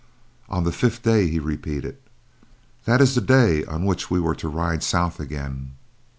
"On the fifth day," he repeated. "That is the day on which we were to ride south again.